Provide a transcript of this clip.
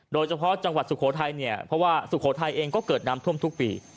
โดยเฉพาะจังหวัดสุโขทัยเนี่ยเพราะว่าสุโขทัยเองก็เกิดน้ำท่วมทุกปี